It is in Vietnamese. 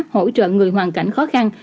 hỗ trợ người hoàn cảnh khó khăn